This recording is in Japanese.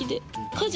家事。